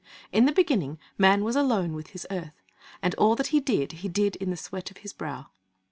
In the beginning, man was alone with his earth; and all that he did, he did in the sweat of his brow.